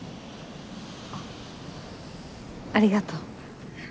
あっありがとう。